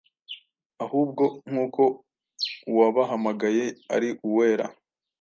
ahubwo, nk’uko uwabahamagaye ari uwera